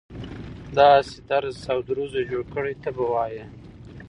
داسې درز او دروز جوړ کړي ته به وایي.